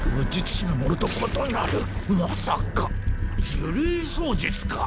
呪霊操術か？